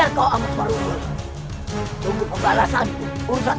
aku akan menerima kesalahanmu